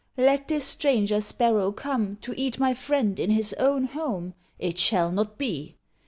let this stranger Sparrow come To eat my friend in his own home? It shall not be."